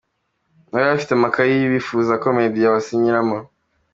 Bari bafite amakaye bifuza ko Meddy yabasinyiramo.